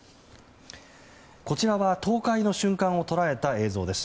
こちらは倒壊の瞬間を捉えた映像です。